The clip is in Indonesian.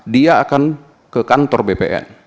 dia akan ke kantor bpn